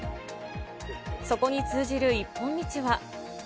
そこに通じる一本道は。